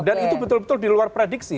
dan itu betul betul diluar prediksi